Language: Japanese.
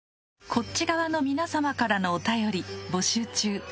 こっち側の皆様からのお便り募集中。